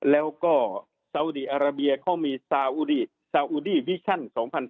แล้วก็ซาอุดีอาราเบียเขามีซาอุดีซาอูดีวิชั่น๒๐๑๘